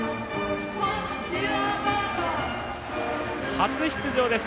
初出場です。